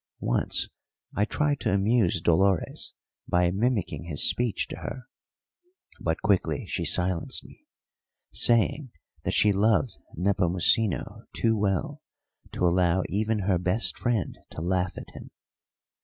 Once I tried to amuse Dolores by mimicking his speech to her, but quickly she silenced me, saying that she loved Nepomucino too well to allow even her best friend to laugh at him.